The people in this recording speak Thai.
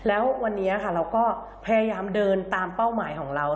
แล้ววันนี้ค่ะเราก็พยายามเดินตามเป้าหมายของเรา